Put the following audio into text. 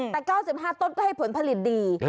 แต่๙๕ต้นก็ให้ผลผลิตดี